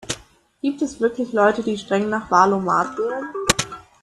Gibt es wirklich Leute, die streng nach Wahl-o-mat wählen?